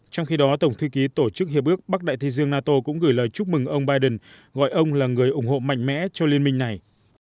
trong khi đó tổng thư ký tổ chức hiệp ước bắc đại thế giươt cũng gửi lời chúc mừng ông biden gọi ông là người ủng hộ mạnh mẽ cho liên minh này